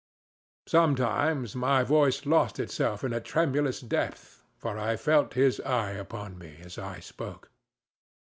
Sometimes my voice lost itself in a tremulous depth, for I felt his eye upon me as I spoke.